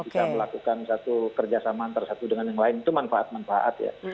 bisa melakukan satu kerjasama antara satu dengan yang lain itu manfaat manfaat ya